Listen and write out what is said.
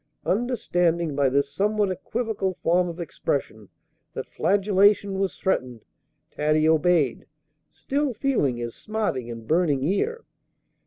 Understanding, by this somewhat equivocal form of expression, that flagellation was threatened, Taddy obeyed, still feeling his smarting and burning ear.